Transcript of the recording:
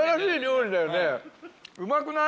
うまくない？